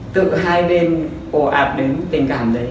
tự hai bên ồ ạp đến tình cảm đấy